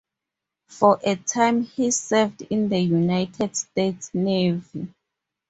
For a time, he served in the United States Navy.